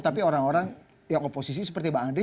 tapi orang orang yang oposisi seperti bang andre